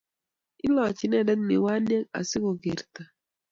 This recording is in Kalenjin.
Ilachi inendet miwaniek asikukerto